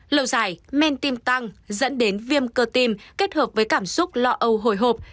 lâu dài men tim tăng dẫn đến viêm cơ tim kết hợp với cảm xúc lo âu hồi hộp